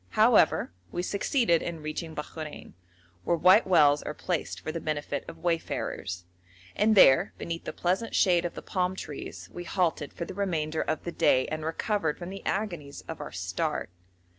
However, we succeeded in reaching Bakhrein, where white wells are placed for the benefit of wayfarers, and there beneath the pleasant shade of the palm trees we halted for the remainder of the day and recovered from the agonies of our start.